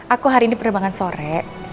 aku hari ini penerbangan sore